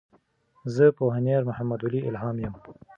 زۀ پوهنيار محمدولي الهام يم.